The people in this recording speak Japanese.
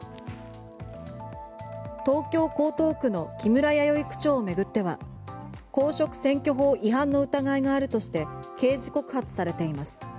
東京・江東区の木村弥生区長を巡っては公職選挙法違反の疑いがあるとして刑事告発されています。